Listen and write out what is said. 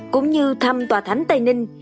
cũng như thăm tòa thánh tây ninh